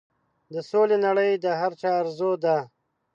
د سولې نړۍ د هر چا ارزو ده.